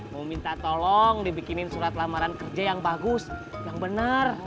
mau minta tolong dibikinin surat lamaran kerja yang bagus yang benar